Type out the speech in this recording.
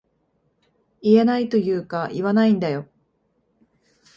言えないというか言わないんだよ